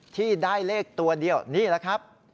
ที่ได้เลขตัวเดียวนี่แหละครับ